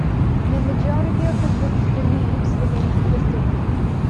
The majority of the group's beliefs remained the same.